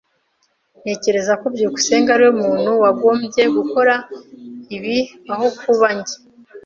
Ntekereza ko byukusenge ariwe muntu wagombye gukora ibi aho kuba njye.